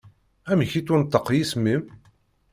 Amek yettwanṭaq yisem-im?